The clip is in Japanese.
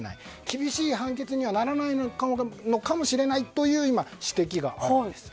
厳しい判決にはならないのかもしれないという指摘が今あるんです。